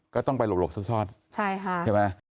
ก็ต้องไปหลบหลบซ้อนซ้อนใช่ค่ะเห็นไหม